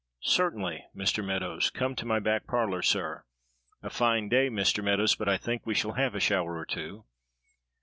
"Certainly, Mr. Meadows come to my back parlor, sir; a fine day, Mr. Meadows, but I think we shall have a shower or two."